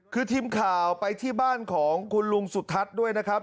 คือทีมข่าวไปที่บ้านของคุณลุงสุทัศน์ด้วยนะครับ